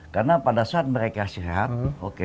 karena pada saat mereka sihat oke